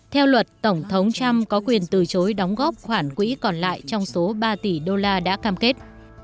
theo luật tổng thống trump có quyền từ chối đóng góp khoản quỹ còn lại trong số ba tỷ đô la đã cam kết